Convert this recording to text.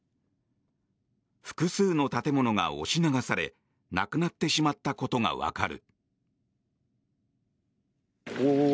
複数の建物が押し流されなくなってしまったことがわかる。